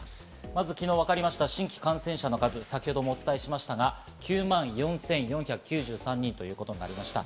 まず昨日分かりました新規感染者の数、先ほどもお伝えしましたが９万４４９３人ということになりました。